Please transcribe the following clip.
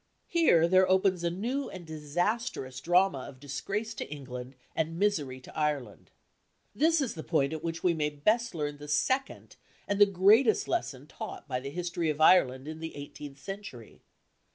Here there opens a new and disastrous drama of disgrace to England and misery to Ireland. This is the point at which we may best learn the second and the greatest lesson taught by the history of Ireland in the eighteenth century.